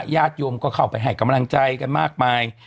ญาติโยมก็เข้าไปให้กำลังใจกันมากมาย